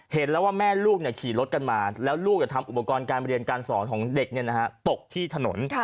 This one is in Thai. เห็นแล้วว่าแม่ลูกขี่รถกันมาแล้วลูกทำอุปกรณ์การเรียนการสอนของเด็กตกที่ถนน